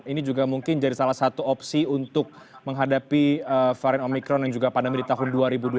ini juga mungkin jadi salah satu opsi untuk menghadapi varian omikron dan juga pandemi di tahun dua ribu dua puluh